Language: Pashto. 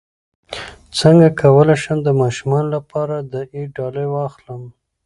څنګه کولی شم د ماشومانو لپاره د عید ډالۍ واخلم